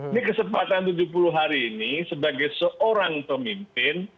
ini kesempatan tujuh puluh hari ini sebagai seorang pemimpin